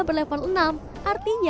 jerem paling ekstrim di dunia